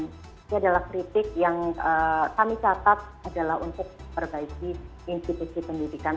ini adalah kritik yang kami catat adalah untuk perbaiki institusi pendidikan